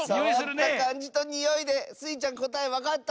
さわったかんじとにおいでスイちゃんこたえわかった？